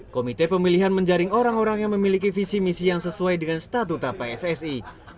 komite pemilihan menjaring orang orang yang memiliki visi misi yang sesuai dengan statuta pssi